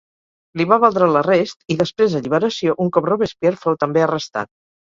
Li va valdre l'arrest i després alliberació un cop Robespierre fou també arrestat.